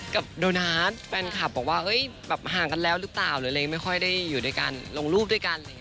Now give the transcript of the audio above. กับโดนัทแฟนคลับบอกว่าเอ้ยแบบห่างกันแล้วหรือเปล่าเลยไม่ค่อยได้อยู่ด้วยกันลงรูปด้วยกัน